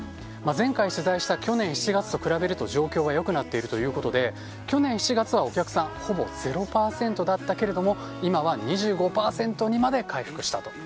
前回取材した去年７月と比べると状況は良くなっているということで去年７月は、お客さんほぼ０％だったけれども今は２５％にまで回復したと。